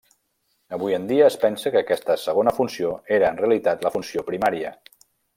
Avui en dia es pensa que aquesta segona funció era en realitat la funció primària.